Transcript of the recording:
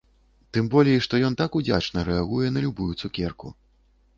Тым болей што ён так удзячна рэагуе на любую цукерку!